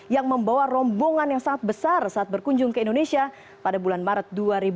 yang membawa rombongan yang sangat besar saat berkunjung ke indonesia pada bulan maret dua ribu dua puluh